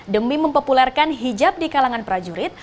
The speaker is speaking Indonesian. demi mempopulerkan hijab di kalangan prajurit